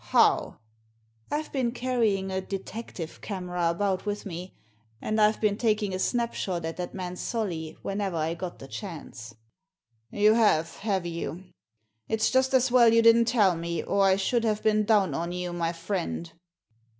•'How?" " I've been carrying a detective camera about with me, and IVe been taking a snap shot at that man Solly whenever I got the chance." * You have, have you? It's just as well you didn't tell me, or I should have been down on you, my friend.